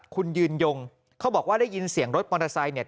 คุณยืนยงเขาบอกว่าได้ยินเสียงรถมอเตอร์ไซค์เนี่ย